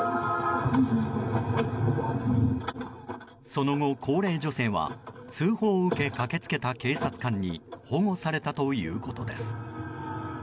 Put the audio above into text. その後、高齢女性は通報を受け駆け付けた警察官に保護されたということです。